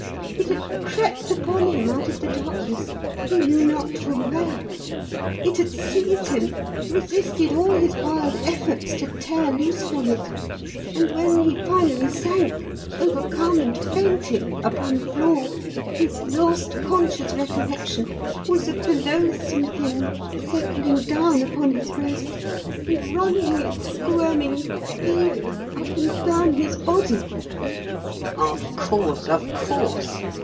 It had crept upon him out of the darkness he knew not from where. It had seized him, resisted all his wild efforts to tear loose from it, and when he finally sank, overcome and fainting, upon the floor, his last conscious recollection was of the loathsome thing settling down upon his breast and running its squirming 'feelers' up and down his body." "Of course! Of course!